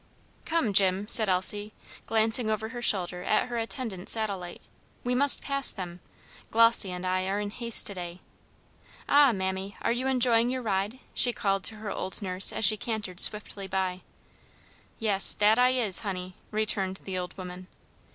"Come, Jim," said Elsie, glancing over her shoulder at her attendant satellite, "we must pass them. Glossy and I are in haste to day. Ah, mammy, are you enjoying your ride?" she called to her old nurse as she cantered swiftly by. "Yes, dat I is, honey!" returned the old woman.